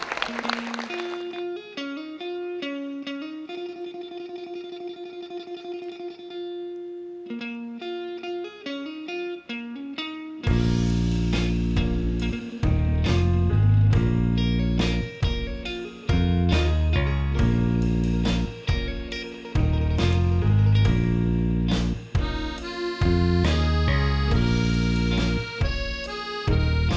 เพลงที่สี่เพลงนี้มีมูลค่าหกหมื่นบาทครับสมาธิพร้อมเพลงนี้มีมูลค่าหกหมื่นบาทครับ